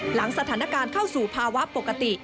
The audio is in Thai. หลังสถานการณ์เข้าสู่ภาวะปกติ